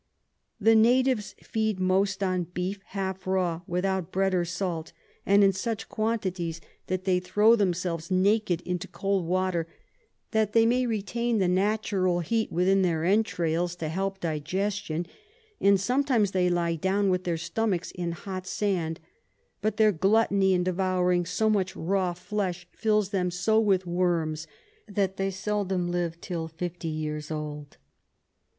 The Natives feed most on Beef half raw without Bread or Salt, and in such quantities that they throw [Sidenote: Account of the River La Plata.] themselves naked into cold Water, that they may retain the natural Heat within their Entrails to help Digestion; and sometimes they lie down with their Stomachs in hot Sand: but their Gluttony in devouring so much raw Flesh fills them so with Worms, that they seldom live till 50 Years old.